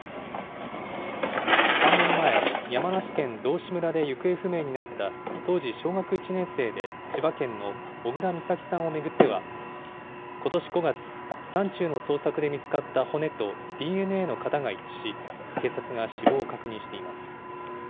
３年前、山梨県道志村で行方不明になった、当時小学１年生で千葉県の小倉美咲さんを巡っては、ことし５月、山中の捜索で見つかった骨とＤＮＡの型が一致し、警察が死亡を確認しています。